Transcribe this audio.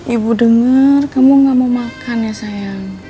ibu dengar kamu gak mau makan ya sayang